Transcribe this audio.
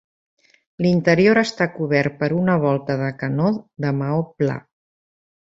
L'interior està cobert per una volta de canó de maó pla.